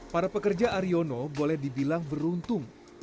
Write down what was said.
para pekerja ariono boleh dibilang beruntung